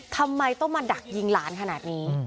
ทำไมต้องมาดักยิงหลานขนาดนี้